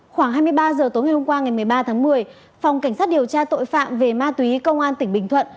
khoảng hai mươi ba h tối ngày hôm qua ngày một mươi ba tháng một mươi phòng cảnh sát điều tra tội phạm về ma túy công an tỉnh bình thuận